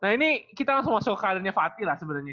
nah ini kita langsung masuk ke karirnya fatih lah sebenarnya